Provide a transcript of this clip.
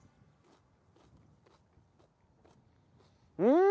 うん！